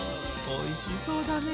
おいしそうだね。